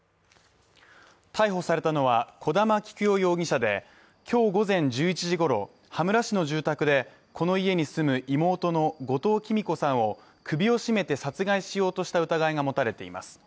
逮捕されたのは、小玉喜久代容疑者で今日午前１１時ごろ、羽村市の住宅でこの家に住む妹の後藤喜美子さんを首を絞めて殺害しようとした疑いが持たれています。